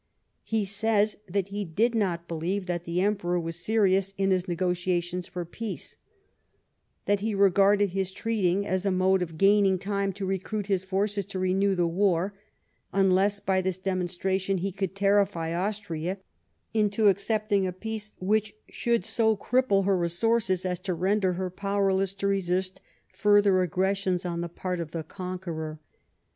He says .that he did not beheve that the Emperor was serious in his negotiations for peace ; that he regarded his treating as a mode of gaining time to recruit his forces to renew the war, unless, by this demonstration, he could terrify Austria into accepting a peace which should so cripple her resources as to render her powerless to resist further aggressions on the part of the conqueror.